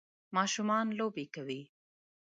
ماشومان لوبی کوی.